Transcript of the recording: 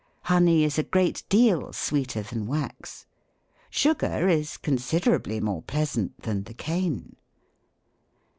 " Honey is a great deal sweeter than wax." " Sugar is considerably more pleasant than the cane."